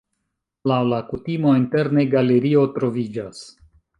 Laŭ la kutimo interne galerio troviĝas.